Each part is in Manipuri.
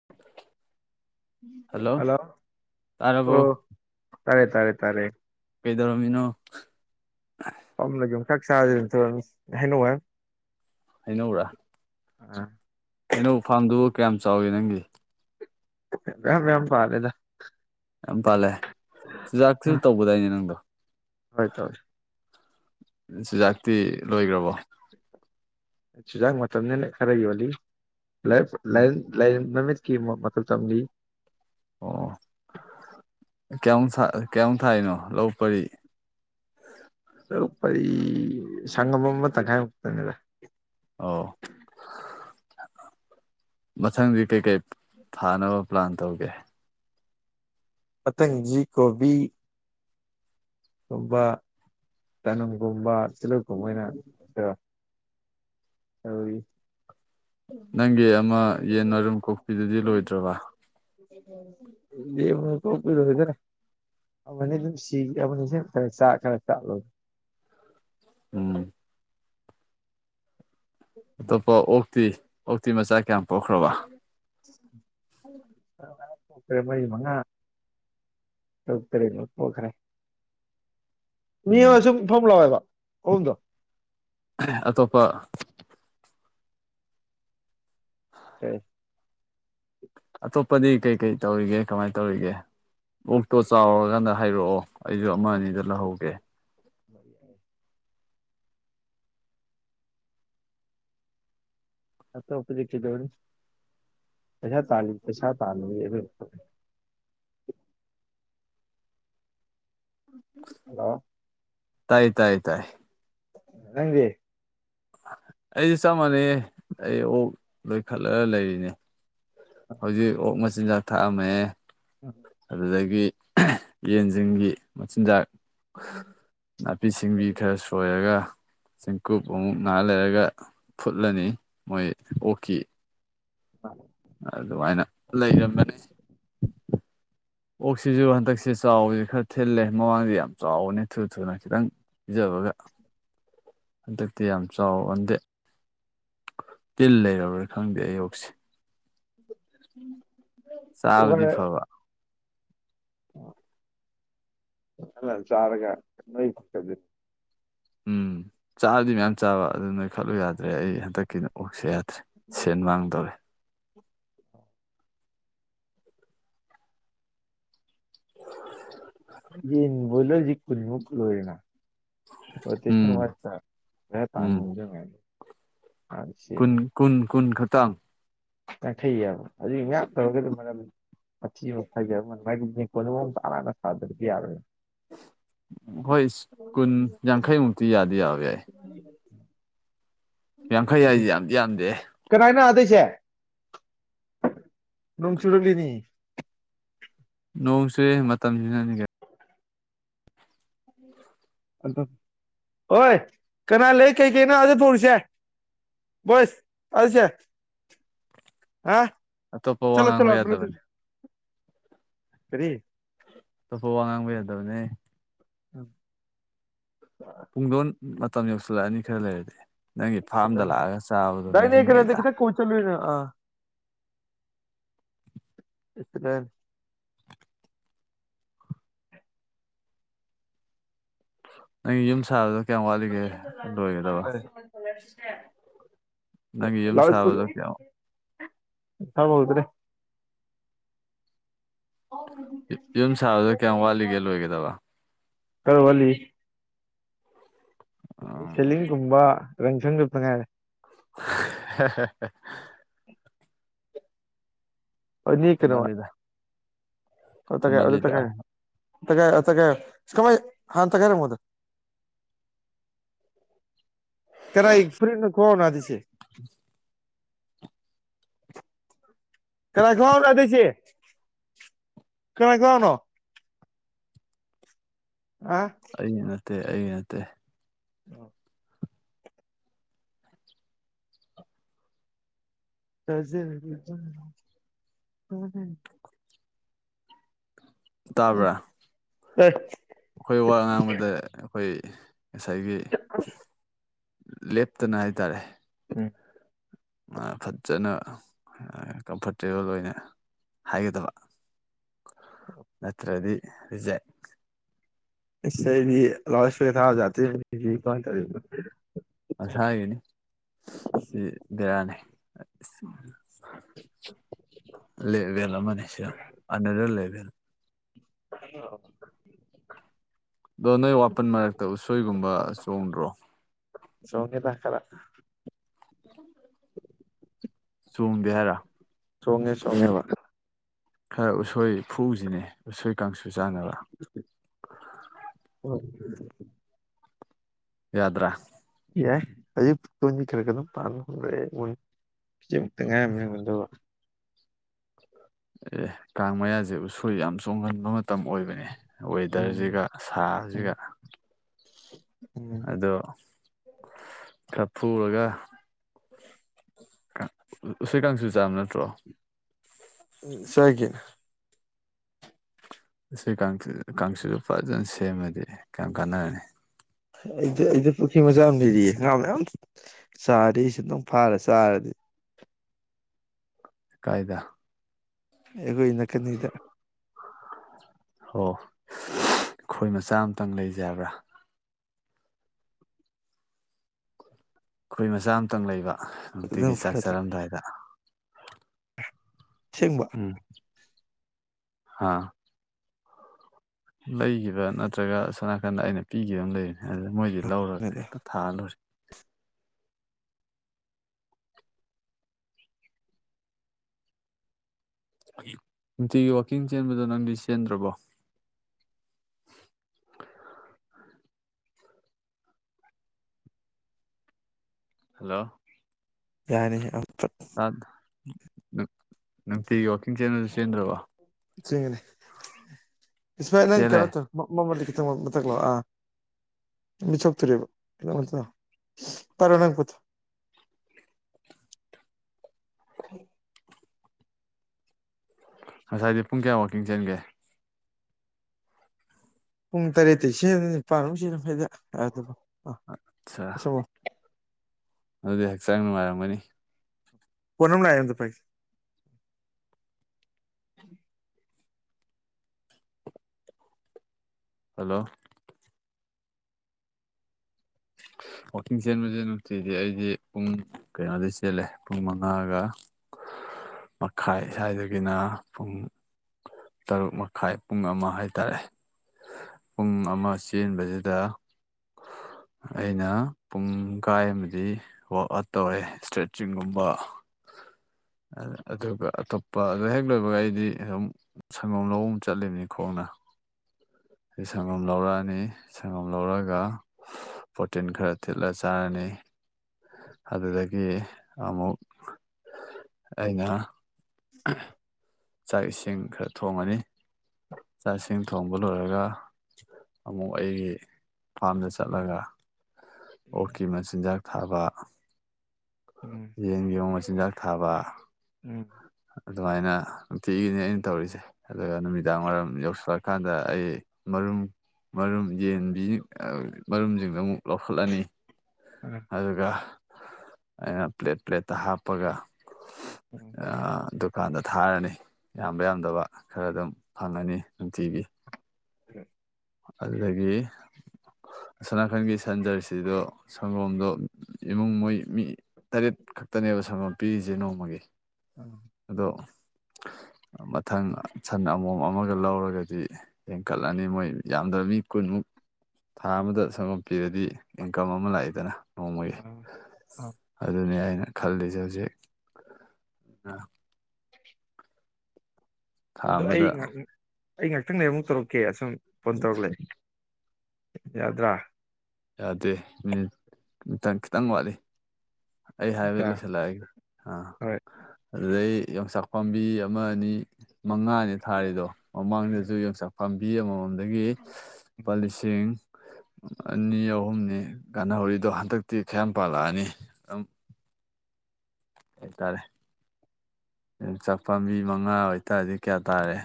[unintelligible] ꯍꯜꯂꯣ ꯇꯥꯔꯕꯣ ꯑꯣ ꯇꯥꯔꯦ ꯇꯥꯔꯦ ꯇꯥꯔꯦ ꯀꯩꯗꯧꯔꯝꯃꯤꯅꯣ ꯄꯝꯅ ꯌꯨꯁꯥꯛ ꯆꯥꯗ ꯍꯥꯏꯩꯅꯧꯋ ꯑꯅꯣ꯭ꯔꯥ [unintelligible] ꯍꯩꯅꯧ ꯐꯥꯔꯝꯗꯨꯕꯨ ꯀꯌꯥꯝ ꯆꯥꯎꯏꯤ ꯅꯪꯒꯤ ꯃ ꯃꯌꯥꯝ ꯄꯥꯕꯦꯗ ꯌꯥꯝ ꯄꯥꯜꯂꯦ ꯆꯨꯖꯥꯛꯁꯨ ꯑꯥ ꯇꯧꯕꯗꯥꯏꯅꯦ ꯅꯪꯗꯣ ꯍꯣꯏ ꯇ ꯍꯣꯏ ꯆꯤꯟꯖꯥꯛꯇꯤ ꯂꯣꯏꯈ꯭ꯔꯕꯣ ꯆꯨꯖꯥꯛ ꯃꯇꯝꯅꯦꯅꯦ ꯈꯔꯒꯤ ꯋꯥꯔꯤꯜꯂꯤ ꯂꯥꯏꯔꯦꯟ ꯃꯥꯃꯤꯠꯀꯤ ꯃꯥ ꯃꯥꯇꯧ ꯇꯝꯕꯤ ꯑꯣ ꯀꯌꯥꯝꯃꯨ ꯀꯌꯥꯝꯃꯨꯛ ꯊꯥꯏꯅꯣ ꯂꯧ ꯄꯔꯤ ꯂꯧ ꯄꯔꯤ ꯁꯪꯒꯝ ꯑꯃ ꯇꯪꯈꯥꯏꯃꯨꯛꯇꯅꯤꯗ ꯑꯣ ꯃꯊꯪꯗꯤ ꯀꯩꯀꯩ ꯊꯥꯅꯕ ꯄ꯭ꯂꯥꯟ ꯇꯧꯒꯦ ꯃꯊꯪꯖꯤ ꯀꯣꯕꯤ ꯒꯨꯝꯕ ꯆꯥꯅꯝꯒꯨꯝꯕ ꯇꯤꯜꯂꯧꯒꯨꯝꯕ ꯑꯣꯏꯅ ꯇꯧꯔꯤ ꯅꯪꯒꯤ ꯑꯃ ꯌꯦꯟ ꯃꯔꯨꯝ ꯀꯣꯛꯄꯤꯗꯨꯗꯤ ꯂꯣꯏꯗ꯭ꯔꯥꯕ ꯌꯦꯟ ꯃꯔꯨꯝ ꯀꯣꯛꯄꯤ [unintelligible] ꯑꯃꯥꯅꯤ ꯑꯗꯨꯝ ꯁꯤꯈ꯭ꯔꯥꯕꯅꯦ [unintelligible] ꯎꯝ ꯑꯇꯣꯞꯄ ꯑꯣꯛꯇꯤ ꯑꯣꯛꯇꯤ ꯃꯆꯥ ꯀꯌꯥꯝ ꯄꯣꯛꯈ꯭ꯔꯥꯕ [unintelligible] ꯃꯔꯤ ꯃꯉꯥ ꯇꯔꯨꯛ ꯇꯥꯔꯦꯠ ꯃꯨꯛ ꯄꯣꯛꯈ꯭ꯔꯦ ꯃꯤ ꯎꯝ ꯑꯃ ꯁꯨꯝ ꯐꯝꯃꯨ ꯂꯥꯎ ꯍꯥꯏꯕ ꯑꯍꯨꯝꯗꯣ ꯑꯇꯣꯞꯄ [inaudible] ꯑꯇꯣꯞꯄꯗꯤ ꯀꯩ ꯀꯩ ꯇꯧꯔꯤꯒꯦ ꯀꯃꯥꯏ ꯇꯧꯔꯤꯒꯦ ꯑꯣꯛꯇꯣ ꯆꯥꯎꯔꯥꯀꯥꯟꯗ ꯍꯥꯏꯔꯛꯑꯣ ꯑꯩꯁꯨ ꯑꯃ ꯑꯅꯤꯗ ꯂꯧꯍꯧꯒꯦ [inaudible] ꯑꯇꯣꯞꯄꯥꯗꯤ ꯀꯩꯗꯧꯔꯨꯅꯤ ꯄꯩꯁꯥ ꯇꯥꯟ ꯄꯩꯁꯥ ꯇꯥꯟ [unintelligible] ꯍꯜꯂꯣ ꯇꯥꯏ ꯇꯥꯏ ꯇꯥꯏ ꯅꯪꯗꯤ ꯑꯩꯁꯨ ꯆꯞ ꯃꯥꯟꯅꯩꯌꯦ ꯑꯩ ꯑꯣꯛ ꯂꯣꯏꯈꯠꯂꯒ ꯂꯩꯔꯤꯅꯦ ꯍꯧꯖꯤꯛ ꯑꯣꯛ ꯃꯆꯤꯟꯖꯥꯛ ꯊꯥꯛꯑꯝꯃꯦ [inaudible] ꯑꯗꯨꯗꯒꯤ ꯌꯦꯟꯁꯤꯡꯒꯤ ꯃꯆꯤꯟꯖꯥꯛ [unintelligible] ꯅꯥꯄꯤ ꯁꯤꯡꯕꯤ ꯈꯔ ꯁꯣꯏꯔꯒ ꯆꯦꯡꯀꯨꯞ ꯑꯃꯨꯛ ꯉꯍꯥꯛ ꯂꯩꯔꯒ ꯐꯨꯠꯂꯅꯤ ꯃꯣꯏ ꯑꯣꯛꯀꯤ [inaudible] ꯑꯗꯨꯃꯥꯏꯅ ꯂꯩꯔꯝꯕꯅꯤ ꯑꯣꯛꯁꯤꯁꯨ ꯍꯟꯗꯛ ꯁꯦ ꯆꯥꯎꯕꯁꯦ ꯈꯔ ꯊꯤꯜꯂꯦ ꯃꯃꯥꯡꯗꯤ ꯌꯥꯝ ꯆꯥꯎꯕꯅꯦ ꯊꯨ ꯊꯨꯅ ꯈꯤꯇꯪ ꯄꯤꯖꯕꯒ ꯍꯟꯗꯛꯇꯤ ꯌꯥꯝ ꯆꯥꯎꯒꯟꯗꯦ ꯇꯤꯜ ꯂꯩꯔꯕ꯭ꯔꯥ ꯈꯪꯗꯦ ꯑꯩ ꯑꯣꯛꯁꯦ [unintelligible] ꯆꯥꯕꯗꯤ ꯎꯒꯔ ꯐꯥꯕ [unintelligible] ꯎꯝ ꯆꯥꯗꯤ ꯃꯌꯥꯝ ꯆꯥꯕ ꯑꯗꯨ ꯅꯣꯏ ꯈꯠꯂꯨ ꯌꯥꯗ꯭ꯔꯦ ꯑꯩ ꯍꯟꯗꯛꯀꯤꯅ ꯑꯣꯛꯁꯦ ꯌꯥꯗ꯭ꯔꯦ ꯁꯦꯟ ꯃꯥꯡꯗꯧꯔꯦ ꯌꯦꯟ ꯕꯣꯏꯖꯦ ꯀꯟꯃꯨꯛ ꯂꯣꯏꯔꯦꯅꯥ ꯎꯝ ꯎꯝ [unintelligible] ꯍꯥꯡꯁꯤ ꯀꯨꯟ ꯑꯃꯨꯛ ꯀꯨꯟ ꯀꯨꯟ ꯈꯛꯇꯥꯡ ꯌꯥꯡꯈꯩꯑꯕ ꯑꯗꯨ ꯉꯥꯛ ꯇꯧꯔꯒ ꯑꯗꯨꯝ ꯃꯔꯝ ꯃꯊꯤꯃꯨꯛ ꯐꯥꯏꯖꯕ ꯑꯃ [unintelligible] ꯁꯥꯗꯕꯗꯤ ꯌꯥꯔꯣꯏꯕ ꯍꯣꯏ ꯀꯨꯟ ꯌꯥꯡꯈꯩꯃꯨꯛꯇꯤ ꯌꯥꯗꯤ ꯌꯥꯕ ꯌꯥꯏ [inaudible] ꯌꯥꯡꯈꯩ ꯍꯥꯏꯖꯦ ꯌꯥꯝꯗꯤ ꯌꯥꯝꯗꯦꯍ ꯀꯅꯥꯥꯏꯅ ꯑꯗꯩꯁꯦ ꯅꯣꯡ ꯆꯨꯔꯛꯂꯤꯅꯤ ꯅꯣꯡ ꯆꯨꯔꯛꯏꯖꯦ ꯃꯇꯝꯁꯤꯅꯅꯤ ꯀꯩꯅꯣ ꯑꯗꯨ ꯑꯣꯏ ꯀꯅꯥ ꯂꯩ ꯀꯩꯀꯩꯅꯣ ꯑꯗꯥ ꯐꯧꯔꯤꯁꯦ ꯕꯣꯏꯁ ꯑꯗꯩꯁꯦ ꯑꯥꯍ ꯑꯇꯣꯞꯄ ꯋꯥ ꯉꯥꯡꯕ ꯌꯥꯗꯕꯅꯦ ꯀꯔꯤ ꯑꯇꯣꯞꯄ ꯋꯥ ꯉꯥꯡꯕ ꯌꯥꯗꯕꯅꯦ ꯍꯑ ꯄꯨꯡꯗꯣꯟ ꯃꯇꯝ ꯌꯧꯁꯤꯜꯂꯛꯑꯅꯤ ꯈꯔ ꯂꯩꯔꯗꯤ ꯅꯪꯒꯤ ꯐꯥꯝꯗ ꯂꯥꯛꯑꯒ ꯆꯥꯕꯗꯣ ꯅꯤꯡꯁꯤꯡꯉꯛꯏꯗ ꯆꯜꯂꯤꯅꯦ ꯑ ꯏꯇꯔꯟ ꯅꯪꯒꯤ ꯌꯨꯝ ꯁꯥꯕꯗꯣ ꯀꯌꯥꯝ ꯋꯥꯠꯂꯤꯒꯦ ꯂꯣꯏꯒꯗꯕ ꯀꯂꯔꯁꯦ ꯅꯪꯒꯤ ꯌꯨꯝ ꯁꯥꯕꯗꯣ ꯀꯌꯥꯝ [unintelligible] [unintelligible] ꯗ꯭ꯔꯦ ꯌꯨ ꯌꯨꯝ ꯁꯥꯕꯗꯣ ꯀꯌꯥꯝ ꯋꯥꯠꯂꯤꯒꯦ ꯂꯣꯏꯒꯗꯕ ꯈꯔ ꯋꯥꯠꯂꯤ ꯑ ꯁꯦꯂꯤꯡꯒꯨꯝꯕ ꯔꯪ ꯁꯪ ꯗꯧꯇ ꯉꯥꯏꯔꯦ [unintelligible] ꯑꯅꯤ ꯀꯩꯅꯣꯋꯥ ꯊꯨꯝꯍꯜꯂꯤꯗ ꯑꯇꯈꯥꯏ ꯑꯗꯨ ꯊꯨꯝꯍꯜꯂꯤꯗ ꯇꯛꯈꯥꯏꯌꯣ ꯇꯛꯈꯥꯏꯌꯣ ꯑꯗꯨ ꯇꯛꯈꯥꯏꯌꯣ ꯑꯁ ꯀꯃꯥꯏ ꯍꯥꯟ ꯑꯝꯇ ꯇꯛꯈꯥꯏꯔꯝꯃꯣ ꯑꯗꯣ ꯀꯅꯥꯏ ꯐꯨꯔꯤꯠꯅꯣ ꯈꯪꯒꯥꯎꯅꯣ ꯑꯥꯗꯩꯁꯦ [unintelligible] ꯀꯅꯥꯏ ꯈꯪꯒꯥꯎꯅꯣ ꯑꯥꯗꯩꯏꯁꯦ ꯀꯅꯥꯏ ꯈꯪꯒꯥꯎꯅꯣ ꯑꯥ ꯑꯩꯒꯤ ꯅꯠꯇꯦ ꯑꯩꯒꯤ ꯅꯠꯇꯦ ꯑꯣ [unintelligible] ꯇꯥꯕ꯭ꯔꯥ [unintelligible] ꯑꯩꯈꯣꯏ ꯋꯥ ꯉꯥꯡꯕꯗ ꯑꯩꯈꯣꯏ ꯉꯁꯥꯏꯒꯤ [unintelligible] ꯂꯦꯞꯇꯅ ꯍꯥꯏꯇꯥꯔꯦ ꯎꯝ ꯃꯥ ꯐꯖꯅ ꯑ ꯀꯝꯐꯣꯔꯇꯦꯕꯜ ꯑꯣꯏꯅ ꯍꯥꯏꯒꯗꯕ ꯅꯠꯇ꯭ꯔꯗꯤ ꯔꯤꯖꯦꯛ ꯏꯁ ꯑꯩꯗꯤ ꯂꯥꯎꯠ ꯁ꯭ꯄꯤꯀꯔ ꯊꯥꯕ ꯌꯥꯇꯦꯅꯦ ꯁꯤꯗꯤ ꯀꯃꯥꯏꯟ ꯇꯧꯔꯤꯕ ꯃꯁꯥꯒꯤꯅꯤ ꯁꯤꯗꯤ ꯕꯦꯔꯥꯅꯦ ꯏꯁ ꯂꯦꯚꯦꯜ ꯑꯃꯅꯤ ꯁꯤꯅ ꯑꯅꯗꯔ ꯂꯦꯚꯦꯜ [unintelligible] ꯑꯗꯣ ꯅꯣꯏ ꯋꯥꯄꯟ ꯃꯔꯛꯇ ꯎꯁꯣꯏꯒꯨꯝꯕ ꯆꯣꯡꯗ꯭ꯔꯣ ꯆꯣꯡꯉꯦꯗ ꯈꯔ [unintelligible] ꯆꯣꯡꯗꯦ ꯍꯥꯏꯔꯣ ꯆꯣꯡꯉꯦ ꯆꯣꯡꯉꯦꯕ ꯈꯔ ꯎꯁꯣꯏ ꯐꯨꯛꯎꯖꯤꯅꯦ ꯎꯁꯣꯏ ꯀꯥꯡꯁꯨ ꯆꯥꯅꯕ [unintelligible] ꯍꯣꯏ ꯌꯥꯗ꯭ꯔꯥ ꯌꯥꯏ ꯑꯌꯨꯛꯇꯣꯀꯣ ꯃꯤ ꯈꯔ ꯈꯔ ꯑꯗꯨꯝ ꯄꯥꯟ ꯍꯧꯅꯔꯛꯑꯦ ꯃꯣꯏ ꯄꯤꯖꯡ ꯉꯥꯛꯇ ꯉꯥꯏꯔꯝꯃꯗꯤ [unintelligible] ꯑꯦ ꯀꯥꯡ ꯃꯌꯥꯖꯦ ꯎꯁꯣꯏ ꯌꯥꯝ ꯆꯣꯡꯒꯟꯕ ꯃꯇꯝ ꯑꯣꯏꯕꯅꯦ ꯎꯝ ꯋꯦꯗꯔꯖꯤꯒ ꯎꯝ ꯁꯥꯕꯖꯤꯒ [inaudible] ꯑꯗꯣ ꯈꯔ ꯐꯨꯛꯎꯔꯒ [inaudible] ꯑ ꯎꯁꯣꯏ ꯀꯥꯡꯁꯨ ꯆꯥꯕ ꯅꯠꯇ꯭ꯔꯣ꯫ ꯎꯪ ꯆꯥꯒꯦꯅ ꯎꯁꯣꯏ ꯀꯥꯡꯁꯨ ꯀꯥꯡꯁꯨꯗꯨ ꯐꯖꯅ ꯁꯦꯝꯃꯗꯤ ꯀꯌꯥꯝ ꯀꯥꯟꯅꯔꯅꯤ꯫ ꯑꯩꯗ ꯑꯩꯗ ꯄꯨꯈ꯭ꯔꯤ ꯃꯆꯥ ꯑꯃ ꯂꯩꯔꯤꯌꯦ ꯉꯥ ꯃꯌꯥꯝ ꯆꯥꯔꯦꯁꯤ ꯑꯃꯨꯛꯇꯪ ꯐꯥꯔ ꯆꯥꯔꯗꯤ ꯀꯥꯏꯗ ꯑꯩꯒꯣꯏ ꯅꯥꯀꯟꯅꯤꯗ ꯑꯣ ꯈꯣꯏ ꯃꯆꯥꯑꯝꯇꯪ ꯂꯩꯖꯦ ꯍꯥꯏꯕ꯭ꯔꯥ꯫ ꯈꯣꯏ ꯃꯆꯥ ꯑꯃꯇꯪ ꯂꯩꯕ ꯅꯨꯡꯇꯤꯒꯤ ꯑꯗꯨꯝ ꯆꯥꯛ ꯐꯔꯗ꯭ꯔꯣ ꯆꯥꯔꯝꯗꯥꯏꯗ꯫ ꯁꯦꯡꯕ ꯍꯥꯥ ꯂꯩꯒꯤꯕ ꯅꯠꯇ꯭ꯔꯒ ꯑꯁꯣꯟ ꯅꯥꯀꯟꯗ ꯑꯩꯅ ꯄꯤꯒꯤꯕꯝ ꯂꯩꯕꯅꯤ ꯑꯗꯨꯗ ꯃꯣꯏꯗꯩ ꯂꯧꯔꯒ ꯑꯗꯨꯗ ꯍꯦꯛꯇ ꯊꯥꯔ ꯂꯣꯏꯔꯦ꯫ ꯅꯨꯡꯇꯤꯒꯤ ꯋꯥꯛꯀꯤꯡ ꯆꯦꯟꯕꯗꯣ ꯅꯪꯗꯤ ꯆꯦꯟꯗ꯭ꯔꯕꯣ꯫ ꯍꯜꯂꯣ ꯌꯥꯅꯤ ꯌꯥꯝ [unintelligible] ꯐꯠ ꯅꯨꯡꯇꯤꯒꯤ ꯋꯥꯀꯤꯡ ꯆꯦꯟꯕꯗꯨ ꯆꯦꯟꯗ꯭ꯔꯕꯣ꯫ ꯆꯦꯟꯒꯅꯤ ꯏꯁꯃꯠ ꯅꯪ ꯆꯦꯜꯂꯦ ꯀꯩꯅꯣ ꯇꯧ ꯃꯝꯃꯗꯤ ꯈꯤꯇꯪ [unintelligible] ꯃꯊꯛ ꯂꯥꯎ ꯑ ꯃꯤꯠ ꯁꯣꯛꯇꯨꯔꯦꯕ ꯀꯩꯅꯣ [unintelligible] [unintelligible] ꯉꯁꯥꯏꯗꯤ ꯄꯨꯡ ꯀꯌꯥ ꯋꯥꯛꯀꯤꯡ ꯆꯦꯟꯒꯦ꯫ ꯄꯨꯡ ꯇꯔꯦꯠꯇꯩ ꯆꯦꯟꯕꯅ ꯅꯤꯄꯥꯥꯟꯕꯥꯎ ꯆꯦꯟ ꯑꯠꯆꯥ [unintelligible] ꯑꯗꯨꯗꯤ ꯍꯛꯆꯥꯡ ꯅꯨꯡꯉꯥꯏꯔꯝꯒꯅꯤ꯫ ꯐꯣꯟ ꯑꯃ ꯂꯥꯛꯑꯦ ꯑꯝꯇ ꯄꯥꯏꯒꯦ꯫ ꯍꯜꯂꯣ ꯋꯥꯛꯀꯤꯡ ꯆꯦꯟꯕꯖꯦ ꯅꯨꯡꯇꯤꯒꯤ ꯑꯩꯗꯤ ꯄꯨꯡ ꯀꯩꯅꯣꯗꯩ ꯆꯦꯜꯂꯦ ꯄꯨꯡ ꯃꯉꯥꯒ ꯃꯈꯥꯏ ꯁ꯭ꯋꯥꯏꯗꯒꯤꯅ ꯄꯨꯡ꯫ ꯇꯔꯨꯛ ꯃꯈꯥꯏ ꯄꯨꯡ ꯑꯃ ꯍꯥꯏꯇꯔꯦ꯫ ꯄꯨꯡ ꯑꯃ ꯆꯦꯟꯕꯁꯤꯗ꯫ ꯑꯩꯅ ꯄꯨꯡ ꯀꯥꯏ ꯑꯃꯗꯤ꯫ ꯋꯥꯛꯑꯥꯠ ꯇꯧꯔ‌ꯦ ꯏꯁꯇ꯭ꯔꯦꯠꯆꯤꯡꯒꯨꯝꯕ꯫ ꯑꯗꯨꯒ ꯑꯇꯣꯞꯄ ꯑꯗꯨ ꯍꯦꯛ ꯂꯣꯏꯕꯒ ꯑꯩꯗꯤ ꯑꯗꯨꯝ꯫ ꯁꯪꯒꯣꯝ ꯂꯧꯕ ꯑꯃꫭꯛ ꯆꯠꯂꯤꯅꯤ ꯈꯣꯡꯅ꯫ ꯑꯩ ꯁꯪꯒꯣꯝ ꯂꯧꯔꯛꯑꯅꯤ ꯁꯪꯒꯣꯝ ꯂꯧꯔꯒ꯫ ꯄ꯭ꯔꯣꯇꯤꯟ ꯈꯔ ꯊꯤꯠꯂ ꯆꯥꯔꯅꯤ꯫ ꯑꯗꯨꯗꯒꯤ ꯑꯃꯨꯛ꯫ ꯑꯩꯅ ꯆꯥꯛ ꯏꯁꯤꯡ ꯈꯔ ꯊꯣꯡꯉꯅꯤ꯫ ꯆꯥꯛꯁꯤꯡ ꯊꯣꯡꯕ ꯂꫭꯏꯔ꯫ ꯒ ꯑꯃꯨꯛ ꯑꯩ ꯐꯥꯝꯗ ꯆꯠꯂꯒ꯫ ꯑꯣꯛꯀꯤ ꯃꯆꯤꯟꯖꯥꯛ ꯊꯥꯕ꯫ ꯎꯝ ꯌꯦꯟꯒꯤ ꯃꫭꯛ ꯃꯆꯤꯟꯖꯥꯛ ꯊꯥꯕ꯫ ꯎꯝ꯫ ꯑꯗꯨꯃꯥꯏꯅ ꯅꯨꯡꯇꯤꯒꯤꯅꯤ ꯑꯩꯅ ꯇꯧꯔꯤꯁꯦ꯫ ꯑꯗꯨꯒ ꯅꯨꯃꯤꯗꯥꯡ ꯋꯥꯏꯔꯝ ꯌꯧꯁꯤꯜꯂꯀꯥꯟꯗ ꯑꯩ ꯃꯔꯨꯝ꯫ ꯃꯔꯨꯝ ꯌꯦꯟꯕꯤ ꯃꯔꯨꯝꯁꯤꯡꯗꯨ ꯑꯃꯨꯛ ꯂꯧꯈꯠꯂꯅꯤ꯫ ꯑꯥ ꯑꯗꯨꯒ ꯑꯩꯅ ꯄ꯭ꯂꯦꯠ ꯄ꯭ꯂꯦꯠꯇ ꯍꯥꯞꯄꯒ꯫ ꯎꯝ꯫ ꯑꯥ ꯗꯨꯀꯥꯟꯗ ꯊꯥꯔꯅꯤ ꯌꯥꯝꯕ ꯌꯥꯝꯗꯕ ꯈꯔ ꯑꯗꯨꯝ ꯐꯪꯉꯅꯤ ꯅꯨꯡꯇꯤꯒꯤ꯫ [unintelligible] ꯑꯗꯨꯗꯒꯤ ꯑꯁꫭꯟꯅꯀꯟꯒꯤ ꯁꯟꯖꯔꯁꯤꯗꯣ ꯁꯪꯒꯣꯝꯗꯣ ꯏꯃꯨꯡ ꯃꯣꯏ ꯃꯤ ꯇꯔꯦꯠ ꯈꯛꯇꯅꯦꯕ ꯁꯪꯒꯣꯝ ꯄꯤꯔꯤꯁꯦ ꯅꯣꯡꯃꯒꯤ ꯎꯝ ꯑꯗꯣ ꯃꯊꯪ ꯁꯟ ꯑꯃꯣꯝ ꯑꯃꯒ ꯂꯧꯔꯒꯗꯤ ꯍꯦꯟ ꯀꯠꯂꯅꯤ ꯃꯣꯏ ꯌꯥꯝꯗ꯭ꯔꯕꯤ ꯃꯤ ꯀꯨꯟꯃꯨꯛ ꯊꯥ ꯑꯃꯗ ꯁꯪꯒꫭꯝ ꯄꯤꯔꯗꯤ ꯏꯟꯀꯝ ꯑꯃ ꯂꯥꯛꯏꯗꯅ ꯅꯣꯡꯃꯒꯤ ꯎꯝ ꯑꯥ ꯑꯗꯨꯅꯤ ꯑꯩꯅ ꯈꯜꯂꯤꯁꯦ ꯍꯧꯖꯤꯛ ꯊꯥ ꯑꯗꯣ ꯑꯩ ꯑꯃꯗ ꯑꯩ ꯉꯍꯥꯛꯇꯪꯂꯩꯔ ꯑꯃꯨꯛ ꯇꯧꯔꯛꯀꯦ ꯑꯁꯨꯝ ꯐꯣꯟ ꯇꯧꯔꯛꯂꯦ ꯌꯥꯗ꯭ꯔꯥ ꯌꯥꯗꯦ ꯃꯤꯅꯠ ꯈꯤꯇꯪ ꯋꯥꯠꯂꯤ ꯑꯩ ꯍꯥꯏꯕ ꯌꯥ ꯂꯣꯏꯁꯤꯜꯂꯛꯑꯒꯦ ꯑꯥ ꯍꯣꯏ ꯑꯗꯨꯗꯩ ꯌꯣꯡꯆꯥꯛ ꯄꯥꯝꯕꯤ ꯑꯃ ꯑꯅꯤ ꯃꯉꯥꯅꯤ ꯊꯥꯔꯤꯗꯣ ꯎꯝ ꯃꯃꯥꯡꯗꯁꯨ ꯌꯣꯡꯆꯥꯛ ꯄꯥꯝꯕꯤ ꯑꯃꯃꯝꯗꯒꯤ ꯂꯨꯄꯥ ꯂꯤꯁꯤꯡ ꯑꯅꯤ ꯑꯍꯨꯝꯅꯤ ꯀꯥꯟꯅꯍꯧꯔꯤꯗꯣ ꯍꯟꯗꯛꯇꯤ ꯈꯌꯥꯝ ꯄꯥꯜꯂꯛꯑꯅꯤ ꯑꯗꯨꯝ ꯍ‌ꯦꯛꯇꯥꯔꯦ ꯌꫭꯡꯆꯥꯛ ꯄꯥꯝꯕꯤ ꯃꯉꯥ ꯑꯣꯏꯇꯥꯔꯗꯤ ꯀꯌꯥ ꯇꯥꯔꯦ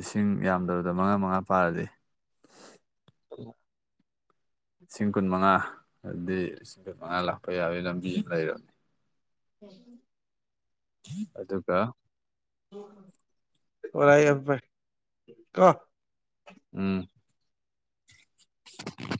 ꯂꯤꯁꯤꯡ ꯌꯥꯝꯗꯕꯗ ꯃꯉꯥ ꯃꯉꯥ ꯄꯥꯔꯗꯤ [unintelligible] ꯂꯤꯁꯤꯡ ꯀꯨꯟꯃꯉꯥ ꯑꯗꯨꯗꯤ ꯂꯤꯁꯤꯡ ꯀꯨꯟ ꯃꯉꯥ ꯂꯥꯛꯄ ꯌꯥꯕꯩ ꯂꯝꯕꯤ ꯑꯝ ꯂꯩꯔꯝꯅꯤ [unintelligible] ꯑꯗꯨꯒ ꯑꫭ ꯂꯥꯏꯌꯥꯝꯄꯩ ꯀꯣ ꯎꯝ [unintelligible]